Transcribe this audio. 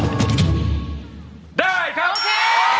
ร้องได้